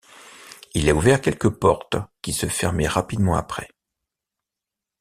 Il a ouvert quelques portes qui se fermaient rapidement après.